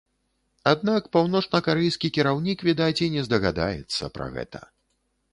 Аднак паўночнакарэйскі кіраўнік, відаць, і не здагадаецца пра гэта.